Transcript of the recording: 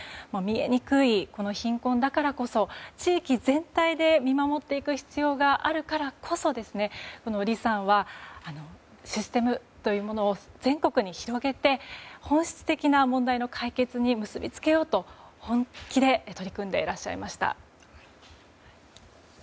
見えにくい貧困だからこそ地域全体で見守っていく必要があるからこそリさんは、システムというものを全国に広げて本質的な問題の解決に結びつけようと本気で取り組んでいらっしゃいました。